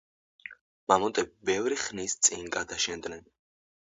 მამონტები ბევრი ხნის წინ გადაშენდნენ